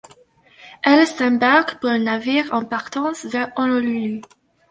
Elle s'embarque pour un navire en partance vers Honolulu.